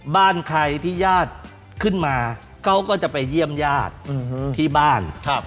บ้านใครที่ญาติขึ้นมาเขาก็จะไปเยี่ยมญาติที่บ้าน